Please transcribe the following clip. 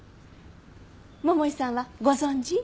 桃井さんはご存じ？